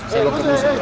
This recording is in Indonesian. saya bawa busur